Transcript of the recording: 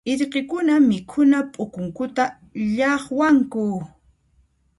Irqikuna mikhuna p'ukunkuta llaqwanku.